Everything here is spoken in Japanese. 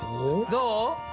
どう？